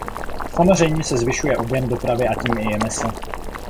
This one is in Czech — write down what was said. Samozřejmě se zvyšuje objem dopravy a tím i emise.